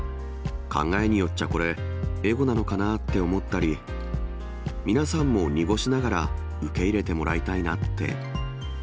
考えによっちゃこれ、エゴなのかなって思ったり、皆さんも濁しながら、受け入れてもらいたいなって。